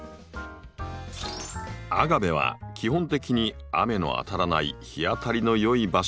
アガベは基本的に雨の当たらない日当たりの良い場所が好み。